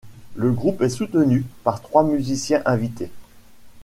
Le groupe est soutenu par trois musiciens invités.